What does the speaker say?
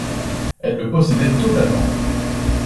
Elles le possédaient totalement.